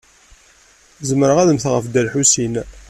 Zemreɣ ad mmteɣ ɣef Dda Lḥusin.